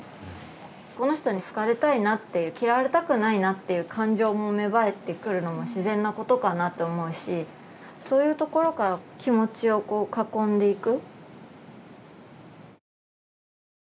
この人に好かれたいなっていう嫌われたくないなっていう感情も芽生えてくるのも自然なことかなと思うしそういうところから気持ちをこう囲んでいく。